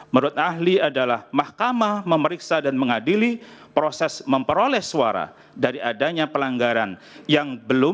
menurut ahli adalah mahkamah memeriksa dan mengadili proses memperoleh suara dari adanya pelanggaran yang belum